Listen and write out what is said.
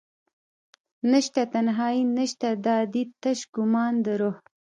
نشته تنهایې نشته دادي تش ګمان دروح